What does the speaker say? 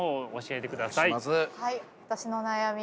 はい私の悩み